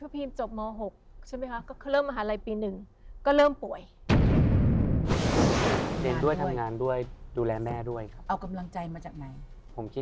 เพราะพีมจบม๖ใช่ไหมคะ